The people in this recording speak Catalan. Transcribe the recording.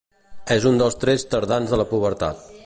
És un dels trets tardans de la pubertat.